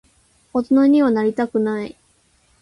大人にはなりたくない。